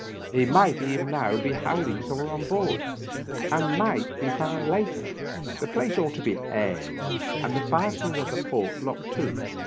He might even now be hiding somewhere on board, and might be found later. The place ought to be aired and the fastening of the port looked to.